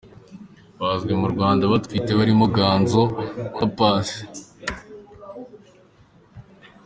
bazwi mu Rwanda batwite barimo Ganzo , Oda Paccy .